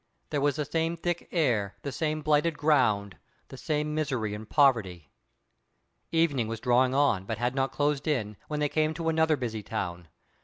There was the same thick air, the same blighted ground, the same misery and poverty. Evening was drawing on, but had not closed in, when they came to another busy town.